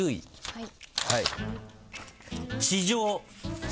はい。